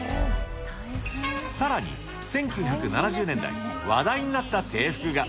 さらに１９７０年代、話題になった制服が。